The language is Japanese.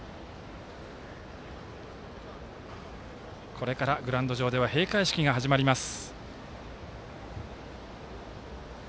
これからグラウンド上では閉会式が始まります。